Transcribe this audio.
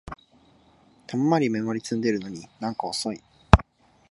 たんまりメモリ積んでるのになんか遅い